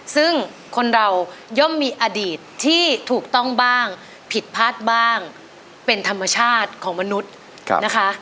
ซึ่งคนเราย่อมมีอดีตที่ถูกต้องบ้างผิดพลาดบ้างเป็นธรรมชาติของมนุษย์นะคะ